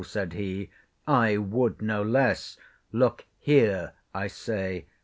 said he; "I would no less: Look here, I say."